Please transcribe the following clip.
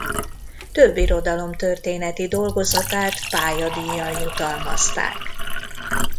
Több irodalomtörténeti dolgozatát pályadíjjal jutalmazták.